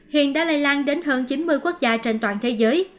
hiện đã lây lan đến hơn chín mươi quốc gia trên toàn thế giới